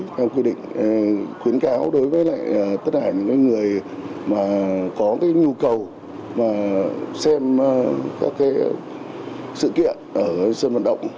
theo quy định khuyến cáo đối với tất cả những người có nhu cầu xem các sự kiện ở sân vận động